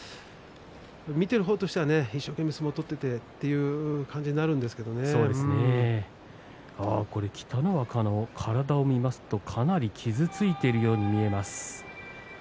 見ている方としては一生懸命、相撲を取っていて北の若の体を見ますとかなり傷ついているように見えます。